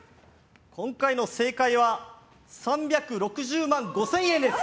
今回の正解は３６０万５０００円です。